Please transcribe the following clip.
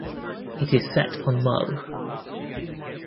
It is set on Mull.